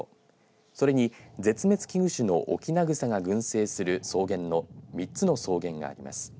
それに絶滅危惧種のオキナグサが群生する草原の３つの草原があります。